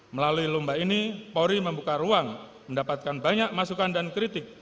melalui lomba ini polri membuka ruang mendapatkan banyak masukan dan kritik